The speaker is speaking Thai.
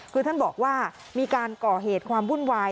คือท่านบอกว่ามีการก่อเหตุความวุ่นวาย